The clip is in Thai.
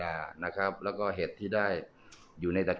ตอนนี้ก็ไม่มีอัศวินทรีย์